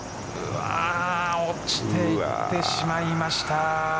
落ちていってしまいました。